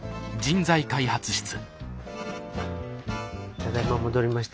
ただいま戻りました。